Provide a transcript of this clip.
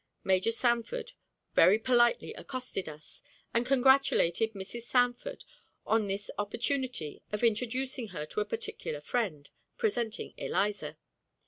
Major Sanford very politely accosted us, and congratulated Mrs. Sanford on this opportunity of introducing her to a particular friend, presenting Eliza.